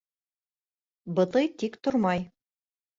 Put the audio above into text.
Бытый тик тормай